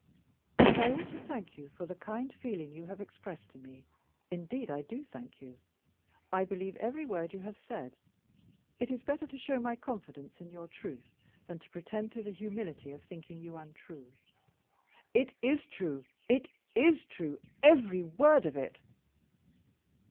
"And I ought to thank you for the kind feeling you have expressed to me. Indeed, I do thank you. I believe every word you have said. It is better to show my confidence in your truth than to pretend to the humility of thinking you untrue." "It is true; it is true, every word of it."